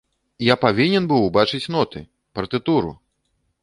Я павінен быў убачыць ноты, партытуру!